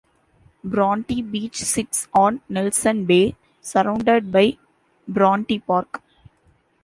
Bronte Beach sits on Nelson Bay, surrounded by Bronte Park.